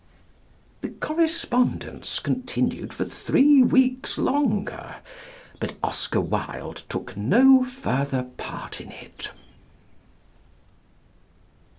The correspondence continued for three weeks longer, but Oscar Wilde took no further part in it.